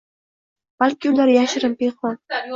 Balki ular yashirin, pinhon